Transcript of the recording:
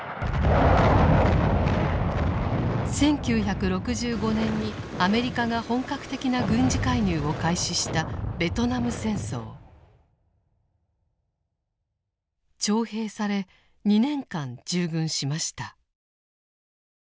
１９６５年にアメリカが本格的な軍事介入を開始した徴兵され２年間従軍しました。